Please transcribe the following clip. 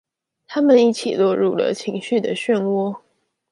他們一起落入了情緒的旋渦